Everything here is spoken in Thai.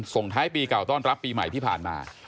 ส่งท้ายปีเก่าต้อนรับปีใหม่ที่ผ่านมา